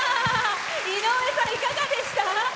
井上さん、いかがでした？